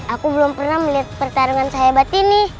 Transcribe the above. aku belum pernah melihat pertarungan sehebat ini